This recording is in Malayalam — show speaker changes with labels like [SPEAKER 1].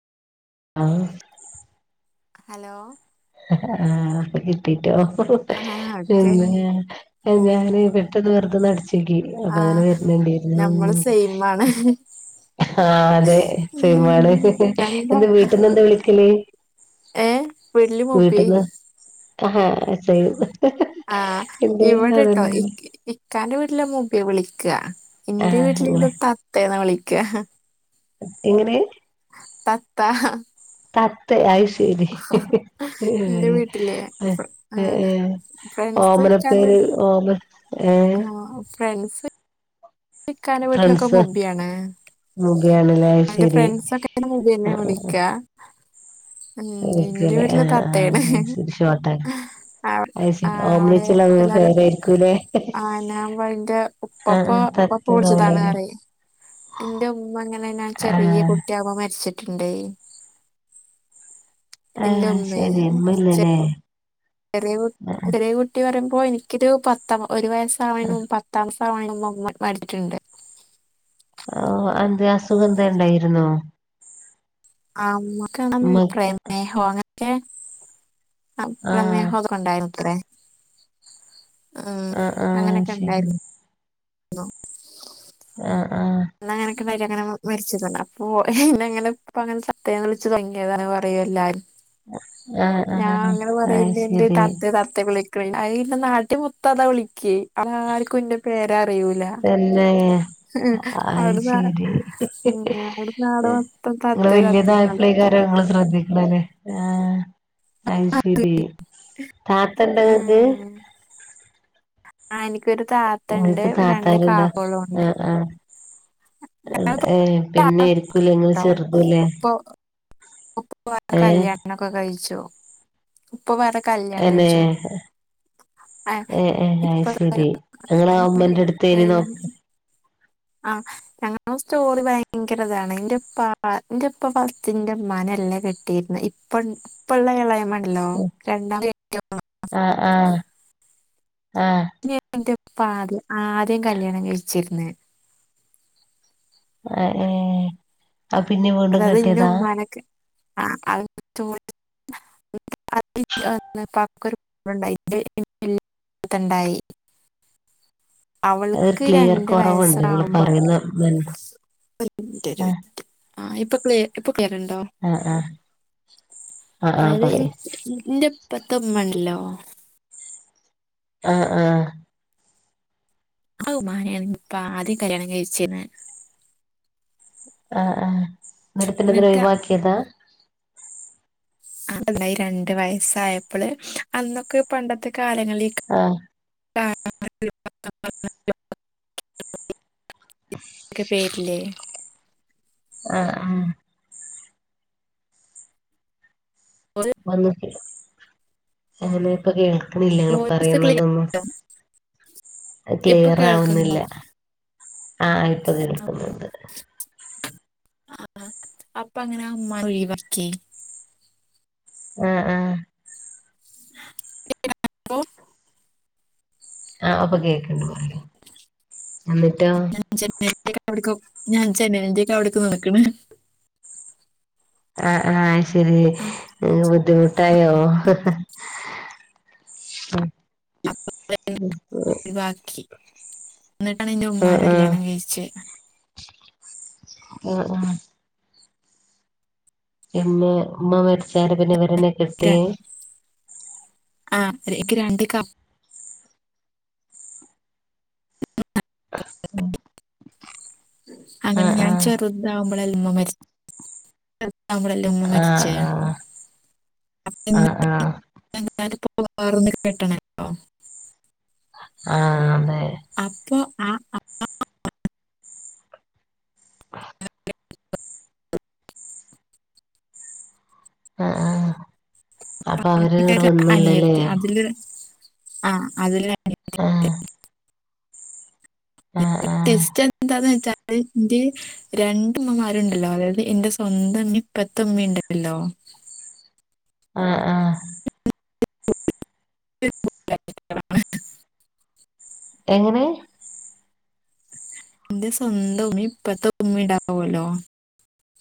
[SPEAKER 1] ആഹ്
[SPEAKER 2] ഹലോ
[SPEAKER 1] ആഹ് കിട്ടിട്ടോ
[SPEAKER 2] ആഹ് ഓക്കെ
[SPEAKER 1] ഇന്ന്
[SPEAKER 2] ഉം
[SPEAKER 1] ഞാന് പെ മറ്റത് വെറുതെ ഒന്നടിച്ചോക്കി അപ്പൊ അങ്ങനെ
[SPEAKER 2] ആഹ്
[SPEAKER 1] വെര്ന്ന്ണ്ടായിരുന്നു ഉം
[SPEAKER 2] നമ്മള് സെയിമാണ്
[SPEAKER 1] ആഹ് അതെ
[SPEAKER 2] ഉം
[SPEAKER 1] [unintelligible]
[SPEAKER 2] രണ്ടാ
[SPEAKER 1] എന്ത് വീട്ട്ന്ന് എന്താ വിളിക്കല്
[SPEAKER 2] ഏഹ് വീട്ടില് മൂപ്പി
[SPEAKER 1] വീട്ട്ന്ന് ആഹ് സെയിം
[SPEAKER 2] ആഹ്
[SPEAKER 1] എന്റെ
[SPEAKER 2] ഇവിടെട്ടോ
[SPEAKER 1] അതന്നെയാണ്
[SPEAKER 2] ഇക്ക് ഇ ഇക്കാന്റെ വീട്ടിലെ മുബിയാ വിളിക്കാ ഇന്റെ
[SPEAKER 1] ആഹ്
[SPEAKER 2] വീട്ടില്
[SPEAKER 1] അങ്ങനെ
[SPEAKER 2] ഇന്നെ തത്തേന്നാ വിളിക്കാ
[SPEAKER 1] എങ്ങനെ?
[SPEAKER 2] തത്താ
[SPEAKER 1] തത്തെ അയ് ശരി
[SPEAKER 2] ഇന്റെ
[SPEAKER 1] ഏഹ്
[SPEAKER 2] വീട്ടില്
[SPEAKER 1] ഏഹ്
[SPEAKER 2] ആഹ്
[SPEAKER 1] ഏഹ്
[SPEAKER 2] ഫ്രണ്ട്സ് ഇക്കാന്റെ
[SPEAKER 1] ഓമനപ്പേര് ഓമന
[SPEAKER 2] ആഹ് ഫ്രണ്ട്സ് [unintelligible] ഇ ക്കാന്റെ വീട്ടിലൊക്കെ
[SPEAKER 1] ഫ്രണ്ട്സ്
[SPEAKER 2] മോബിയാണ്
[SPEAKER 1] മുഖയാണല്ലേ അത്
[SPEAKER 2] എന്റെ
[SPEAKER 1] ശരി
[SPEAKER 2] ഫ്രണ്ട്സൊക്കെന്നെ മുബിയെന്നാ വിളിക്കാ ഉം എന്റെ
[SPEAKER 1] വിളിക്കല്ലേ
[SPEAKER 2] വീട്ടില്
[SPEAKER 1] ആഹ്
[SPEAKER 2] തത്തേണ്
[SPEAKER 1] ആഹ് ശരി ഷോർട്ടാക്കി
[SPEAKER 2] ആഹ്
[SPEAKER 1] അത് ശരി
[SPEAKER 2] അവിടെ
[SPEAKER 1] ഓംലറ്റുള്ള
[SPEAKER 2] എല്ലാരും
[SPEAKER 1] പേരായിരിക്കൂല്ലേ
[SPEAKER 2] ആഹ് ഞാൻ പറയും ഇന്റെ ഉപ്പപ്പ
[SPEAKER 1] ആഹ് ആഹ്
[SPEAKER 2] ഉപ്പപ്പ
[SPEAKER 1] തത്തത് പോലെയാ
[SPEAKER 2] വിളിച്ചതാണ്റയും ഇന്റെ ഉമ്മങ്ങനെ നാൻ ചെറിയ
[SPEAKER 1] ആഹ്
[SPEAKER 2] കുട്ടിയാമ്പ മരിച്ചിട്ട്ണ്ടയിനി എന്റെ
[SPEAKER 1] ആഹ്
[SPEAKER 2] ഉമ്മേ
[SPEAKER 1] ശരി ഇമ്മയില്ലല്ലേ
[SPEAKER 2] ചെറിയ കു ചെറിയ കുട്ടി പറയുമ്പോ എനിക്കൊരു പത്ത ഒരു വയസ്സ് ആവണേന് മുമ്പ് പത് ത്താംസം [unintelligible] മരിച്ചിട്ടുണ്ട്
[SPEAKER 1] ഓഹ് അന്ത് അസുകെന്തേണ്ടായിരുന്നോ
[SPEAKER 2] ആഹ് ഉമ്മക്കാണെ
[SPEAKER 1] ഉമ്മക്ക്
[SPEAKER 2] പ്രമേഹോ അതൊക്കെ
[SPEAKER 1] ആഹ്
[SPEAKER 2] പ്രമേഹ അത് ക്കൊണ്ടായിരുന്നത്രേ ഉം
[SPEAKER 1] ആഹ് ആഹ് ശരി
[SPEAKER 2] അങ്ങനൊക്കൊണ്ടായിരുന്നു ലോ
[SPEAKER 1] ആഹ് ആഹ്
[SPEAKER 2] എന്നങ്ങനൊക്കൊര് അങ്ങനെ മരിച്ചിട്ടണ്ട് അപ്പോ ഇന്നെങ്ങനെ ഇപ്പ അങ്ങനെ തത്തേന്ന് വിളിച്ചു തൊടങ്ങിയതാണെന്ന് പറയൂ എല്ലാരും
[SPEAKER 1] ആഹ്
[SPEAKER 2] ഞാൻ
[SPEAKER 1] ആഹ്
[SPEAKER 2] അങ്ങനെ
[SPEAKER 1] അത്
[SPEAKER 2] പറയ്ന്ന്ണ്ട്
[SPEAKER 1] ശരി
[SPEAKER 2] തത്തേ തത്തേ വിളി [unintelligible] അയ്ന്നെ നാട്ടി മൊത്താതാ വിളിക്യേ ആ ആർക്കും ഇന്റെ പേരറിയൂല
[SPEAKER 1] തന്നെ അയ്
[SPEAKER 2] അവിടുന്ന്
[SPEAKER 1] ശരി
[SPEAKER 2] അവിടുന്ന് ആടെ മൊത്തം
[SPEAKER 1] നിങ്ങള്
[SPEAKER 2] താത്തേ
[SPEAKER 1] വല്യതാ
[SPEAKER 2] താത്തേന്നാ വിളിക്ക
[SPEAKER 1] പ്ലെയ്കാരങ്ങള് ശ്രദ്ധിക്കണംല്ലേ ആഹ് അയ് ശെരി താത്തണ്ടോങ്ങക്ക്
[SPEAKER 2] ആ എനിക്കൊരു താത്തണ്ട്
[SPEAKER 1] ഇങ്ങക്ക്
[SPEAKER 2] രണ്ട്
[SPEAKER 1] താത്താരുണ്ടോ
[SPEAKER 2] കാകോളു ഒണ്ട്
[SPEAKER 1] ആഹ് ആഹ് ഏ പിന്നെരിക്കൂലെ ഇങ്ങള്
[SPEAKER 2] ട്ടോ
[SPEAKER 1] ചെറുത് ലെ
[SPEAKER 2] ഇപ്പൊ ഉപ്പ വേറ കല്യാണൊക്കെ കഴിച്ചു ഉപ്പ വേറെ കല്യാണം
[SPEAKER 1] അന്നെ
[SPEAKER 2] കഴിച്ചോ
[SPEAKER 1] ഏ ഏ അയ് ശരി ങ്ങളാ ഉമ്മന്റെടുത്തെനി നോക്ക
[SPEAKER 2] ആഹ് ഞങ്ങ സ്റ്റോറി ഭയങ്കരതാണ് ഇന്റപ്പ ഇന്റപ്പ പസ്റ്റിന്റെ മ്മാനെല്ല കെട്ട് കെട്ടിര്ന്നെ ഇപ്പൺ ഇപ്പള്ള എളേമ്മണ്ടല്ലോ രണ്ടാ
[SPEAKER 1] ആഹ് ആഹ് ആഹ്
[SPEAKER 2] നെയ എന്റെപ്പ ആദ്യം ആദ്യം കല്യാണം കഴിച്ചിര്ന്ന്
[SPEAKER 1] ആ ഏഹ് ആ പിന്നെ വീണ്ടും
[SPEAKER 2] അതായത് ഇന്റെ
[SPEAKER 1] കെട്ടിയതാ
[SPEAKER 2] ഉമ്മാനൊക്കെ [inaudible] [inaudible]
[SPEAKER 1] ഒരു
[SPEAKER 2] അവള്ക്ക്
[SPEAKER 1] ക്ലിയർ
[SPEAKER 2] രണ്ട്
[SPEAKER 1] കുറവുണ്ട് ഇങ്ങള്
[SPEAKER 2] വയസാവുമ്പോക്ക്
[SPEAKER 1] പറയുന്ന
[SPEAKER 2] ഒര്
[SPEAKER 1] ആഹ്
[SPEAKER 2] മിൻറ്റൊര്മിൻറ്റ് ആഹ് ഇപ്പൊ ക്ലിയ ഇപ്പ കേക്ക്ണണ്ടോ
[SPEAKER 1] ആഹ് ആഹ് ആഹ് ആഹ്
[SPEAKER 2] അതായത്
[SPEAKER 1] പറയ്
[SPEAKER 2] ഇന്റെ പത്തമ്മണ്ടല്ലോ
[SPEAKER 1] ആഹ് ആഹ്
[SPEAKER 2] അ ഉമ്മാനെ ആന്ന്പ്പ ആദ്യം കല്യാണം കഴിച്ചേന്ന
[SPEAKER 1] ആഹ് ആഹ് ന്നട്ട്തിനെ
[SPEAKER 2] എന്നിട്ട്
[SPEAKER 1] ഒയിവാക്കിയതാ
[SPEAKER 2] [unintelligible] രണ്ട് വയസായപ്പള് അന്നൊക്കെ പണ്ടത്തെ കാലങ്ങളിലക്ക
[SPEAKER 1] ആഹ്
[SPEAKER 2] [unintelligible] [unintelligible] ക്കെ പേരില്ലേ
[SPEAKER 1] ആ ആ [unintelligible] കിണില്ല
[SPEAKER 2] വോയിസ് ക്ലിയർ
[SPEAKER 1] ങ്ങള്പറയുന്നതൊന്നും
[SPEAKER 2] ഇപ്പൊ
[SPEAKER 1] ക്ലിയറാവുന്നില്ല
[SPEAKER 2] കേൾക്കുന്നുണ്ടോ
[SPEAKER 1] ആഹ ഇപ്പൊ കേൾക്കുന്നുണ്ട്
[SPEAKER 2] ആ അപ്പങ്ങനെ ആ ഉമ്മാനെ ഒഴിവാക്കി
[SPEAKER 1] ആ ആ
[SPEAKER 2] [unintelligible]
[SPEAKER 1] ആ പ്പ കേക്കണ്ട് പറയു എന്നിട്ടോ
[SPEAKER 2] ജനൽൻ്റെ അവിടക്ക് ഞാൻ ജനൽന്റെ ഒക്കെ അവിടക്കെ നടക്കണ്
[SPEAKER 1] ആ ആഹ് ശരി
[SPEAKER 2] ആ
[SPEAKER 1] വീട്ടിന്ന് തായൊ
[SPEAKER 2] [unintelligible] ഒഴിവാക്കി ന്നിട്ടാണ് എന്റെ
[SPEAKER 1] ആഹ് ആഹ്
[SPEAKER 2] ഉമ്മാനെ കല്യാണം
[SPEAKER 1] ആഹ്
[SPEAKER 2] കഴിച്ച്
[SPEAKER 1] ഉഉം ഇമ്മ മരിച്ചരെ പിന്നെ വെരനെ കെട്ടി
[SPEAKER 2] ആ [unintelligible] രണ്ട്
[SPEAKER 1] ഉ
[SPEAKER 2] അങ്ങനെ ഞാൻ ചെറുതാവുമ്പോളെല്ലെമ്മ മരിച്ച ചെറുതാവുമ്പളല്ലെ മമ
[SPEAKER 1] ആഹ്
[SPEAKER 2] മരിച്ചെ
[SPEAKER 1] ആഹ്
[SPEAKER 2] [unintelligible]
[SPEAKER 1] ആഹ്
[SPEAKER 2] [inaudible]
[SPEAKER 1] ആ അതെ
[SPEAKER 2] അപ്പൊ ആ
[SPEAKER 1] ആഹ [inaudible] ആ ആ അപ്പൊ അവര് ഇവിട്
[SPEAKER 2] എനിക്കൊരു
[SPEAKER 1] വന്നല്ലല്ലേ
[SPEAKER 2] അനിയത്തി അതില് ആഹ് അതില്
[SPEAKER 1] ആഹ് ആഹ് ആഹ്
[SPEAKER 2] ട്വിസ്റ്റ്‌ എന്താന്ന് വെച്ചാല് രണ്ട് മ്മമാരുണ്ടല്ലോ അതായത് എന്റെ സ്വന്ത മ്മീം ഇപ്പത്തെ മ്മീം ഉണ്ടല്ലോ
[SPEAKER 1] ആഹ് ആഹ്
[SPEAKER 2] [inaudible]
[SPEAKER 1] എങ്ങനെ
[SPEAKER 2] എന്റെ സ്വന്തംഉമ്മി മ് ഇപ്പത്തെ ഉമ്മിണ്ടാവല്ലോ